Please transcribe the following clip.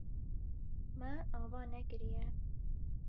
Me ava nekiriye.